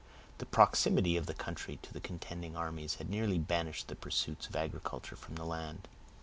The proximity of the country to the contending armies had nearly banished the pursuits of agriculture from the land.